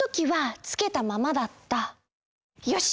よし！